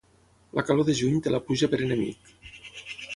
La calor de juny té la pluja per enemic.